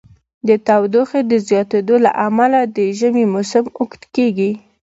د تودوخې د زیاتیدو له امله د ژمی موسم اوږد کیږي.